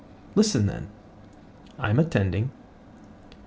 Listen then. I am attending.